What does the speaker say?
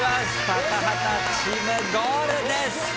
高畑チームゴールです。